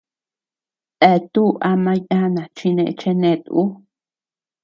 Eatú ama yana chi nee chenet ú.